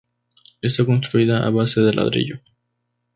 Está construida a base de ladrillo.